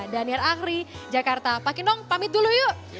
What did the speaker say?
daniar ahri jakarta pak kinong pamit dulu yuk